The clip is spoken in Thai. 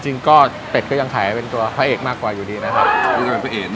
จริงก็เป็ดก็ยังขายเป็นตัวพระเอกมากกว่าอยู่ดีนะครับเป็นพระเอก